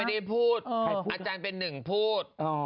ไม่ได้พูดอาจารย์เป็นหนึ่งพูด